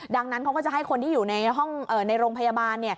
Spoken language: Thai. ดังนั้นเขาก็จะให้คนที่อยู่ในโรงพยาบาล